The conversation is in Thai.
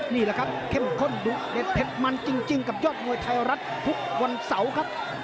นี่แหละครับเข้มข้นดุเด็ดเผ็ดมันจริงกับยอดมวยไทยรัฐทุกวันเสาร์ครับ